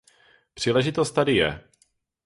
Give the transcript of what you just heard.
Příležitost tady je.